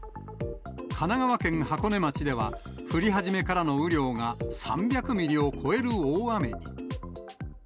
神奈川県箱根町では、降り始めからの雨量が３００ミリを超える大雨に。